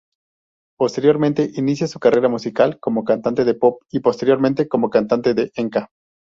Posteriormente inicia su carrera musical como cantante de pop y posteriormente como cantante enka.